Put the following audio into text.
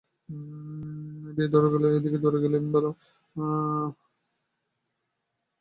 এই দিকে দৌড়ে গেল।